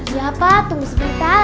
iya pak tunggu sebentar